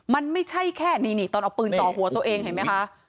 มันไม่ใช่แค่นี่ตอนเอาปืนจ่อหัวตัวเองเห็นไหมคะ